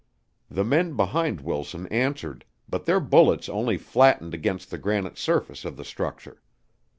The men behind Wilson answered, but their bullets only flattened against the granite surface of the structure.